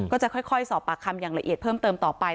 ก็จะค่อยสอบปากคำอย่างละเอียดเพิ่มเติมต่อไป